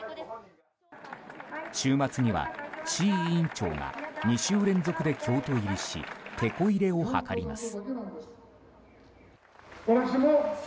週末には志位委員長が２週連続で京都入りしテコ入れを図ります。